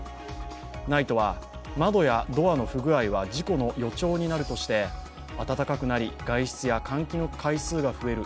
ＮＩＴＥは窓やドアの不具合は事故の予兆になるとして暖かくなり外出や換気の回数が増える